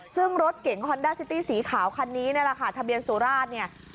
ซึ่งรถเก๋งฮอนด้าซิตี้สีขาวคันนี้นี่แหละค่ะทะเบียนสุราชเนี่ย